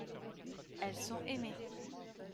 elles sont aimées.